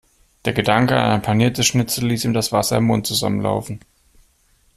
Der Gedanke an ein paniertes Schnitzel ließ ihm das Wasser im Mund zusammenlaufen.